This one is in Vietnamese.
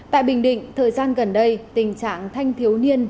tại bình định thời gian gần đây tình trạng thanh thiếu niên